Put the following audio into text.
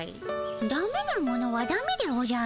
ダメなものはダメでおじゃる。